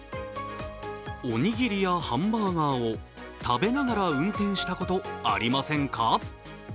おにぎりやハンバーガーを食べながら運転したことありませんか？